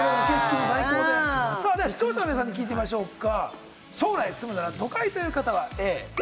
では視聴者の皆さんにも聞いてみましょうか。